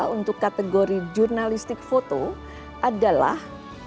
untuk kategori jurnalistik foto adalah